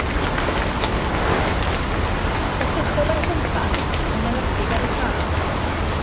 Edrychodd o'i chwmpas, yn enwedig ar y tân.